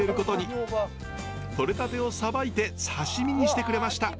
とれたてをさばいて刺身にしてくれました。